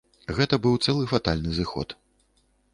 Гэта быў цэлы фатальны зыход.